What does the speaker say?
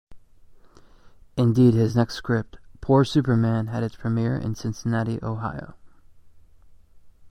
Indeed, his next script, "Poor Super Man", had its premiere in Cincinnati, Ohio.